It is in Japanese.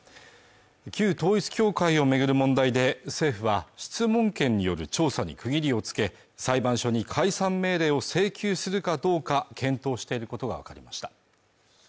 旧統一教会をめぐる問題で政府は質問権による調査に区切りをつけ裁判所に解散命令を請求するかどうか検討していることが分かりました